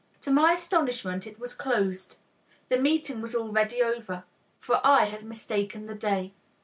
To my astonishment, it was closed, the meeting was already over; for I had mistaken the day.